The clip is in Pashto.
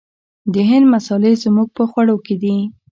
د هند مسالې زموږ په خوړو کې دي.